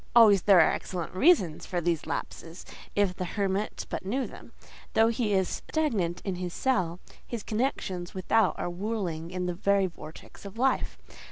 Always there are excellent reasons for these lapses, if the hermit but knew them. Though he is stagnant in his cell, his connections without are whirling in the very vortex of life.